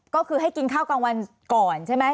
ก็คือให้กินข้าวกลางวันก่อนใช่ไหม